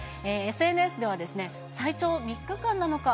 ＳＮＳでは、最長３日間なのか。